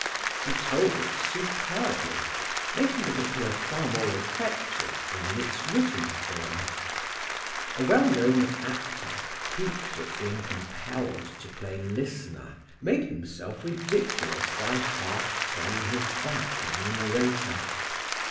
He told it superbly, making it appear far more effective than in its written form. A well known actor, piqued at being compelled to play listener, made himself ridiculous by half turning his back on the narrator.